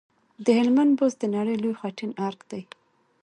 د هلمند بست د نړۍ لوی خټین ارک دی